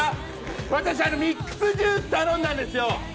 私、ミックスジュース頼んだんですよ。